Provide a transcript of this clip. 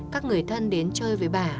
các người thân đến chơi với bà